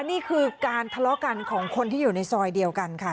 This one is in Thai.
นี่คือการทะเลาะกันของคนที่อยู่ในซอยเดียวกันค่ะ